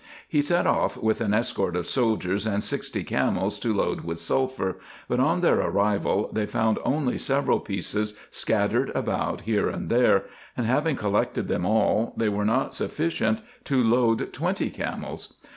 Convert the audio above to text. He set off with an escort of soldiers, and sixty camels to load with sulphur, but on their arrival, they found only several pieces scattered about here and there, and having collected them all, they were not sufficient to load twenty camels.